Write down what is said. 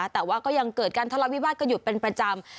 แต่ว่าก็ยังเกิดการทะเลาวิวาสกันอยู่เป็นประจำ